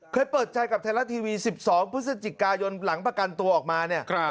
เคยเปิดใจกับไทยรัฐทีวี๑๒พฤศจิกายนหลังประกันตัวออกมาเนี่ย